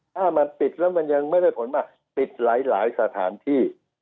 ถ้ามันปิดแล้วมันยังไม่ได้ผลมาปิดหลายสถานที่